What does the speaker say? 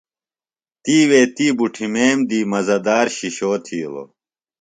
تِیوے تی بُٹھمیم دی مزہ دار شِشو تِھیلوۡ۔